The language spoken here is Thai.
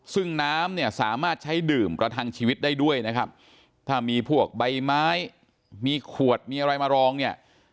ซึ่งน้ำเนี่ยสามารถใช้ดื่มประทังชีวิตได้ด้วยนะครับถ้ามีพวกใบไม้มีขวดมีอะไรมารองเนี่ย